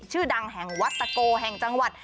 ชื่อดังแห่งวัดตะโกแห่งจังหวัด